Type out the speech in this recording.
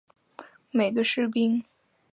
每个士兵至少要在军队服役两年。